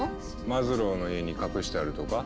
マズローの家に隠してあるとか？